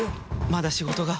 まだ仕事が。